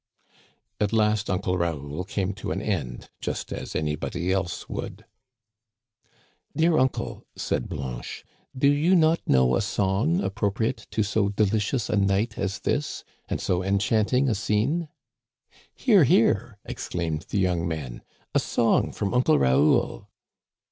At last Uncle Raoul came to an end, just as anybody else would. Dear uncle," said Blanche, *' do you not know a song appropriate to so delicious a night as this, and so enchanting a scene ?"" Hear! hear !" exclaimed the young men, "a song from Uncle Raoul